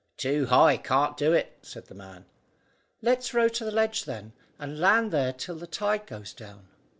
"Too high, can't do it," said the man. "Let's row to the ledge then, and land there till the tide goes down."